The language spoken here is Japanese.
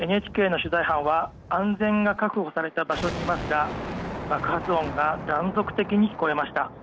ＮＨＫの取材班は安全が確保された場所にいますが爆発音が断続的に聞こえました。